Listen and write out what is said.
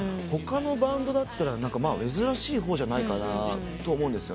他のバンドだったら珍しい方じゃないかなと思う。